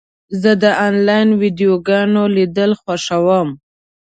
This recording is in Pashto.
زه د انلاین ویډیوګانو لیدل خوښوم.